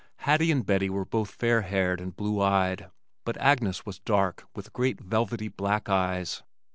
Hattie and Bettie were both fair haired and blue eyed but Agnes was dark with great velvety black eyes.